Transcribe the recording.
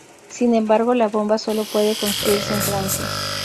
Sin embargo la bomba solo puede construirse en Francia.